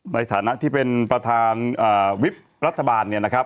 ในฐานะที่เป็นประธานวิบรัฐบาล